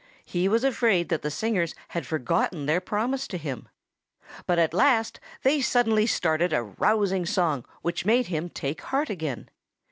He was afraid that the singers had forgotten their promise to him. But at last they suddenly started a rousing song which made him take heart again.